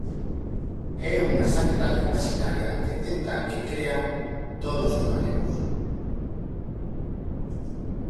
É unha sanidade imaxinaria que tentan que crean todos os galegos.